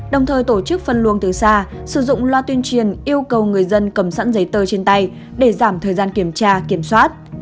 đồng thời tổ chức phân luồng từ xa sử dụng loa tuyên truyền yêu cầu người dân cầm sẵn giấy tờ trên tay để giảm thời gian kiểm tra kiểm soát